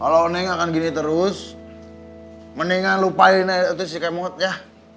kalau neng akan gini terus mendingan lupain itu si kemot ya